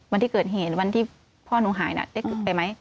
วันที่เกิดเหตุวันที่พ่อหนูหายน่ะได้ไปไหม